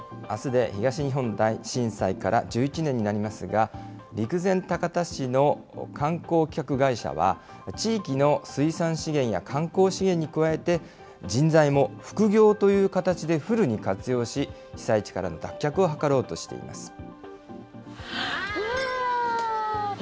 あすで東日本大震災から１１年になりますが、陸前高田市の観光企画会社は、地域の水産資源や観光資源に加えて、人材も副業という形でフルに活用し、被災地からの脱却を図ろうとしています。